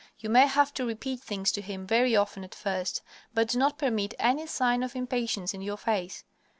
You may have to repeat things to him very often at first, but do not permit any sign of impatience in your face.